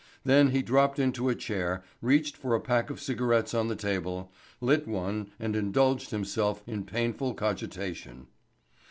Then he dropped into a chair, reached for a pack of cigarettes on the table, lit one and indulged himself in painful cogitation.